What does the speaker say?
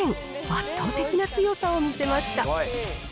圧倒的な強さを見せました。